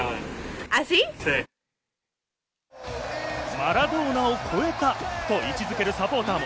マラドーナを超えたと位置づけるサポーターも。